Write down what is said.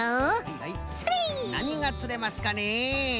なにがつれますかね？